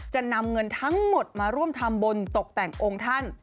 จะนำเงินทั้งหมดมาร่วมทำบุญตกแต่งองค์ท่าน